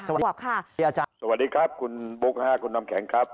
สวัสดีครับคุณบูคฮาคุณน้ำแข็งครับ